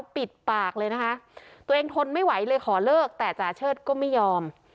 ปิดปากเลยนะคะตัวเองทนไม่ไหวเลยขอเลิกแต่จ่าเชิดก็ไม่ยอม